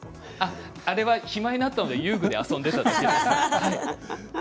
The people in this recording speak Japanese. あれは暇になったので遊具で遊んでいただけです。